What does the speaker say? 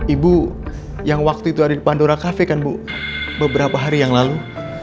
ibu yang waktu itu ada di pandora kafe kan bu beberapa hari yang lalu